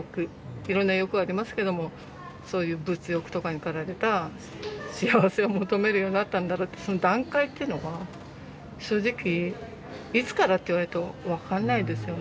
いろんな欲ありますけどもそういう物欲とかに駆られた幸せを求めるようになったんだろうってその段階っていうのが正直いつからって言われると分かんないですよね